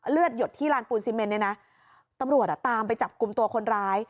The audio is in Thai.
หยดที่ลานปูนซีเมนเนี่ยนะตำรวจอ่ะตามไปจับกลุ่มตัวคนร้าย